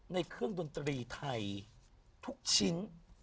ในเครื่องดนตรีไทยทุกชิ้น